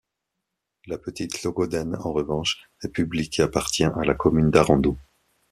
La petite Logoden, en revanche, est publique et appartient à la commune d'Arradon.